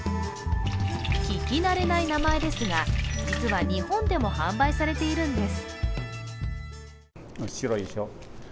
聞き慣れない名前ですが、実は日本でも販売されているんです。